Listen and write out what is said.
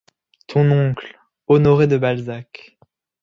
Ton oncle, Honoré De Balzac.